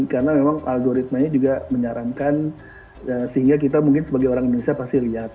karena memang algoritmanya juga menyarankan sehingga kita mungkin sebagai orang indonesia pasti lihat